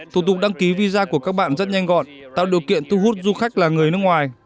thủ tục đăng ký visa của các bạn rất nhanh gọn tạo điều kiện tu hút du khách là người nước ngoài